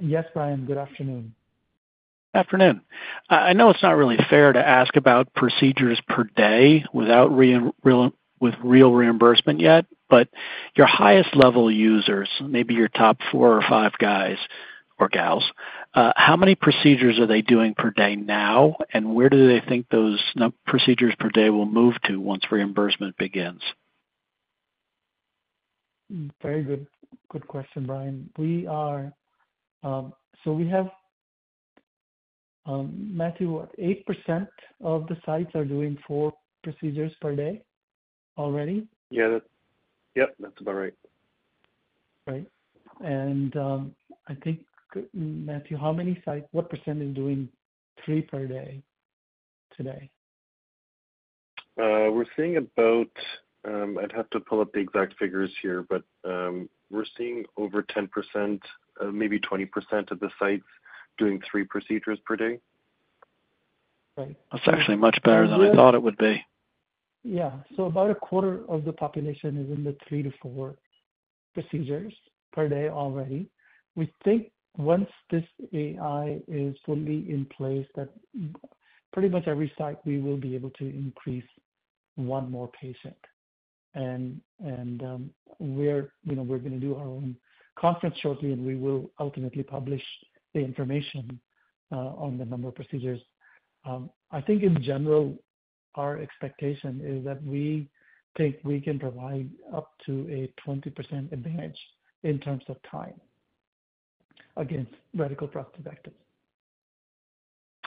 Yes, Brian. Good afternoon. Afternoon. I know it's not really fair to ask about procedures per day without real reimbursement yet, but your highest level users, maybe your top four or five guys or gals, how many procedures are they doing per day now, and where do they think those procedures per day will move to once reimbursement begins? Very good. Good question, Brian. We are, so we have, Mathieu, what? 8% of the sites are doing four procedures per day already. Yeah, that's, yep, that's about right. Right. And, I think, Mathieu, how many sites, what % is doing three per day today? I'd have to pull up the exact figures here, but we're seeing over 10%, maybe 20% of the sites doing 3 procedures per day. Right. That's actually much better than I thought it would be. Yeah. So about a quarter of the population is in the 3-4 procedures per day already. We think once this AI is fully in place, that pretty much every site, we will be able to increase one more patient. And, we're, you know, we're gonna do our own conference shortly, and we will ultimately publish the information on the number of procedures. I think in general, our expectation is that we think we can provide up to a 20% advantage in terms of time against radical prostatectomy.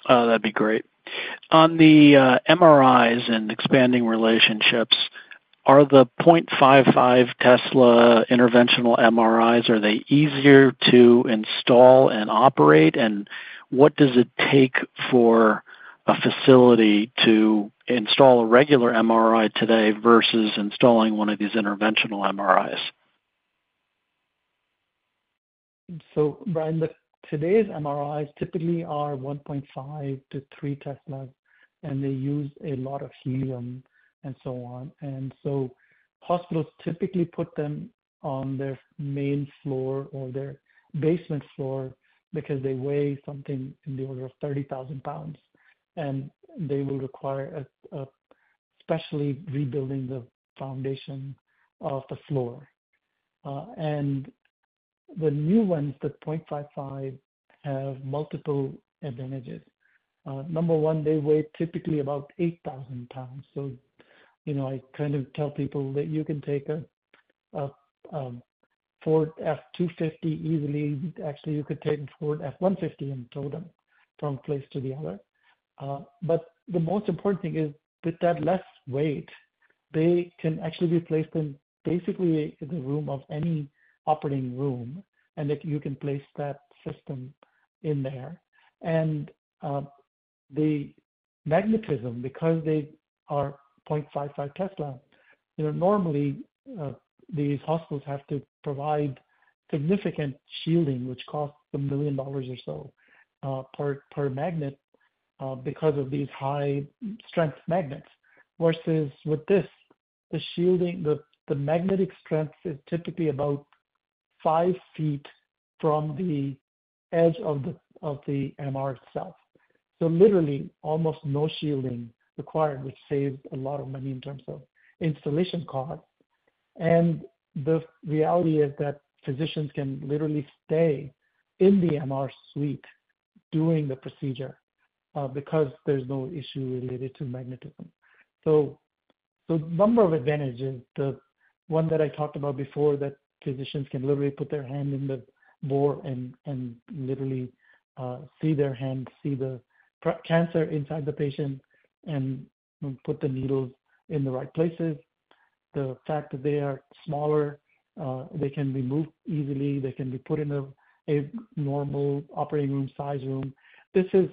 Oh, that'd be great. On the, MRIs and expanding relationships, are the 0.55 Tesla interventional MRIs, are they easier to install and operate? And what does it take for a facility to install a regular MRI today versus installing one of these interventional MRIs? So Brian, today's MRIs typically are 1.5 to 3 Tesla, and they use a lot of helium and so on. And so hospitals typically put them on their main floor or their basement floor because they weigh something in the order of 30,000 pounds, and they will require a, especially rebuilding the foundation of the floor. And the new ones, the 0.55, have multiple advantages. Number one, they weigh typically about 8,000 pounds, so, you know, I kind of tell people that you can take a Ford F-250 easily. Actually, you could take a Ford F-150 and tow them from place to the other. But the most important thing is, with that less weight, they can actually be placed in, basically, in the room of any operating room, and that you can place that system in there. The magnetism, because they are 0.55 Tesla, you know, normally, these hospitals have to provide significant shielding, which costs $1 million or so, per magnet, because of these high magnetic strength magnets. Versus with this, the shielding, the magnetic strength is typically about five feet from the edge of the MR itself. So literally, almost no shielding required, which saves a lot of money in terms of installation cost. And the reality is that physicians can literally stay in the MR suite during the procedure, because there's no issue related to magnetism. So number of advantages, the one that I talked about before, that physicians can literally put their hand in the bore and literally see their hands, see the prostate cancer inside the patient and put the needles in the right places. The fact that they are smaller, they can be moved easily, they can be put in a normal operating room size room. This is.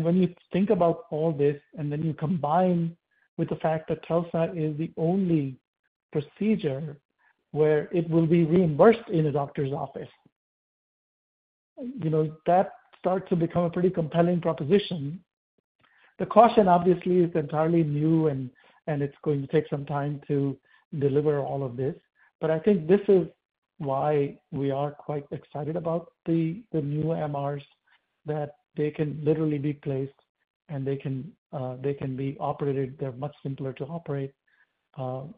When you think about all this, and then you combine with the fact that TULSA is the only procedure where it will be reimbursed in a doctor's office, you know, that starts to become a pretty compelling proposition. The caution, obviously, is entirely new and, and it's going to take some time to deliver all of this, but I think this is why we are quite excited about the, the new MRIs, that they can literally be placed, and they can, they can be operated. They're much simpler to operate.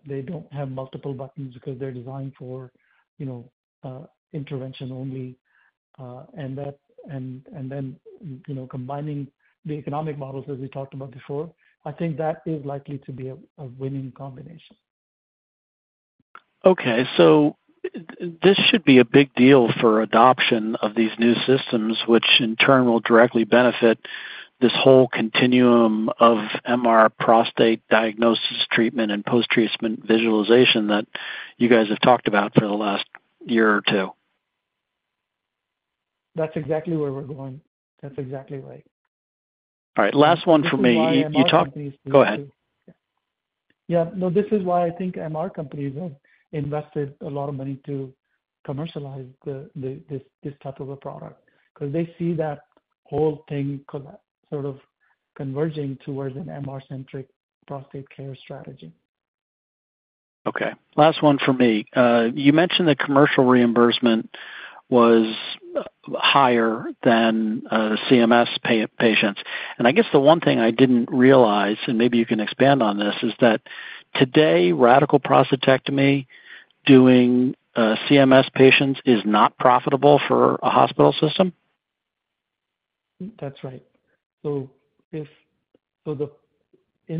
They don't have multiple buttons because they're designed for, you know, intervention only. You know, combining the economic models as we talked about before, I think that is likely to be a winning combination. Okay, so this should be a big deal for adoption of these new systems, which in turn will directly benefit this whole continuum of MR prostate diagnosis, treatment, and post-treatment visualization that you guys have talked about for the last year or two. That's exactly where we're going. That's exactly right. All right, last one for me. This is why MR- You talk... Go ahead. Yeah, no, this is why I think MR companies have invested a lot of money to commercialize this type of a product, 'cause they see that whole thing could sort of converging towards an MR-centric prostate care strategy. Okay, last one for me. You mentioned the commercial reimbursement was higher than CMS pay patients. I guess the one thing I didn't realize, and maybe you can expand on this, is that today, radical prostatectomy, doing CMS patients, is not profitable for a hospital system? That's right. So, in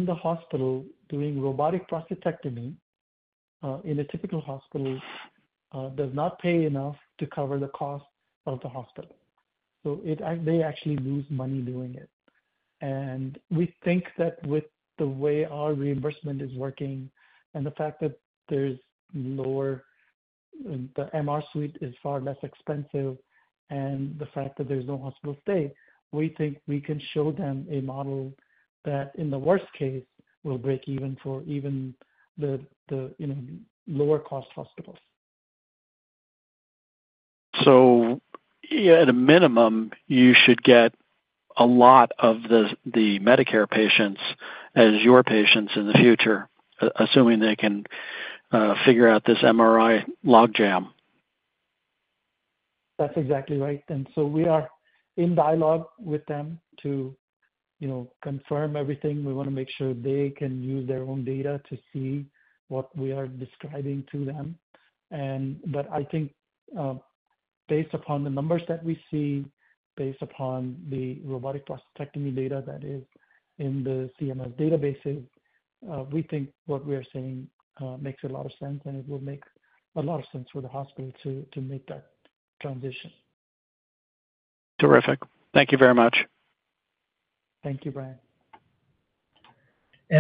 the hospital, doing robotic prostatectomy, in a typical hospital, does not pay enough to cover the cost of the hospital. So it, they actually lose money doing it. And we think that with the way our reimbursement is working and the fact that there's lower, the MR suite is far less expensive, and the fact that there's no hospital stay, we think we can show them a model that, in the worst case, will break even for even the, you know, lower cost hospitals. So yeah, at a minimum, you should get a lot of the Medicare patients as your patients in the future, assuming they can figure out this MRI logjam. That's exactly right. And so we are in dialogue with them to, you know, confirm everything. We wanna make sure they can use their own data to see what we are describing to them. But I think, based upon the numbers that we see, based upon the robotic prostatectomy data that is in the CMS databases, we think what we are saying makes a lot of sense, and it will make a lot of sense for the hospital to make that transition. Terrific. Thank you very much. Thank you, Brian.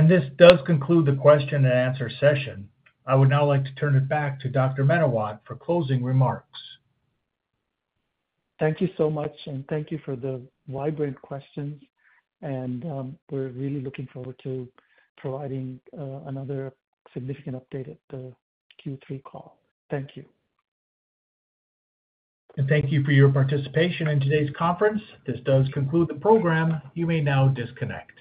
This does conclude the question and answer session. I would now like to turn it back to Dr. Menawat for closing remarks. Thank you so much, and thank you for the vibrant questions. And, we're really looking forward to providing, another significant update at the Q3 call. Thank you. Thank you for your participation in today's conference. This does conclude the program. You may now disconnect.